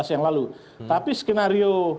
yang lalu tapi skenario